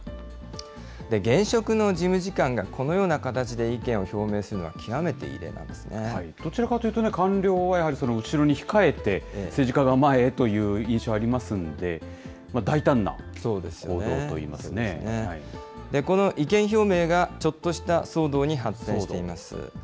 現職の事務次官がこのような形で意見を表明するのは極めて異例などちらかというと、官僚はやはり後ろに控えて、政治家が前へという印象ありますんで、大胆なこの意見表明がちょっとした騒動に発展しています。